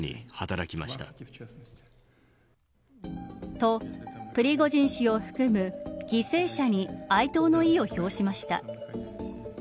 と、プリゴジン氏を含む犠牲者に哀悼の意を表しました。